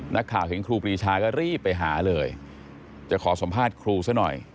นักข่าวเห็นครูปรีชาก็รีบไปหาเลยจะขอสัมภาษณ์ครูซะหน่อย